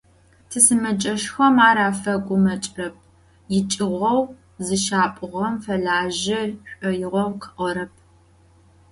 Тисымэджэщхэм ар афэгумэкӏрэп, ичӏыгоу зыщапӏугъэм фэлажьэ шӏоигъоу къыӏорэп.